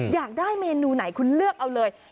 อยากได้เมนูไหนคุณเลือกเอาเลย